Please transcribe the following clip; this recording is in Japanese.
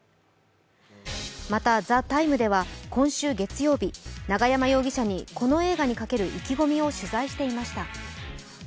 また「ＴＨＥＴＩＭＥ，」では、今週月曜日、永山容疑者にこの映画にかける意気込みを取材していました。